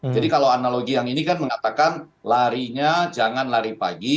jadi kalau analogi yang ini kan mengatakan larinya jangan lari pagi